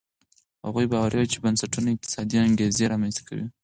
هغوی باوري وو چې بنسټونه اقتصادي انګېزې رامنځته کوي.